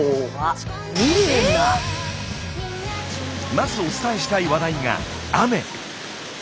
まずお伝えしたい話題が雨。